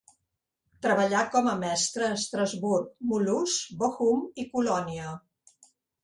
Treballà com a mestre a Estrasburg, Mulhouse, Bochum i Colònia.